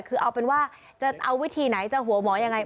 คือเอาเป็นว่าจะเอาวิธีไหนจะหัวหมอยังไง